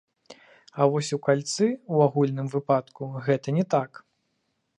А вось у кальцы, у агульным выпадку, гэта не так.